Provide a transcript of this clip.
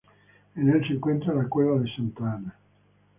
En el se encuentra la Cueva de Santa Ana.